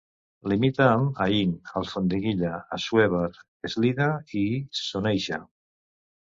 Limita amb Aín, Alfondeguilla, Assuévar, Eslida i Soneixa.